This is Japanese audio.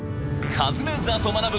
『カズレーザーと学ぶ。』